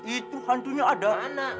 itu hantunya ada anak